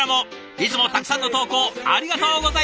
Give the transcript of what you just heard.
いつもたくさんの投稿ありがとうございます。